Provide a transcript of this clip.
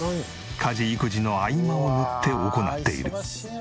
家事育児の合間を縫って行っている。